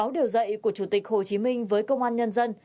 sáu điều dạy của chủ tịch hồ chí minh với công an nhân dân